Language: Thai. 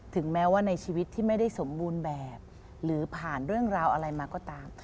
ถึงแม้ว่าในชีวิตที่ไม่ได้สมบูรณ์แบบหรือผ่านเรื่องราวอะไรมาก็ตาม